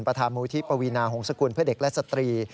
ประธานมูลที่ปวีนาหงษกุลเพื่อเด็กและสตรี